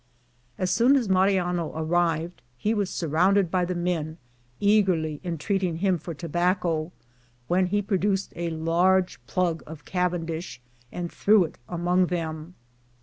As soon as Mariano arrived he was surrounded by the men, eagerly entreating him for tobacco, when he produced a large plug of Cavendish, and threw it among them.